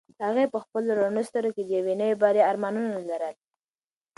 هغې په خپلو رڼو سترګو کې د یوې نوې بریا ارمانونه لرل.